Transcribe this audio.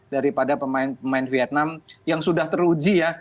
daripada pemain pemain vietnam yang sudah teruji ya